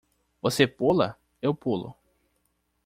Você pula? eu pulo.